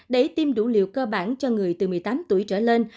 để tiêm đủ liều cơ bản cho người từ một mươi tám tuổi trở lên